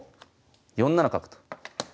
４七角と。